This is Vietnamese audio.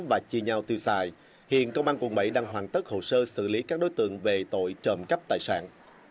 và chia nhau tiêu xài hiện công an quận bảy đang hoàn tất hồ sơ xử lý các đối tượng về tội trộm cắp tài sản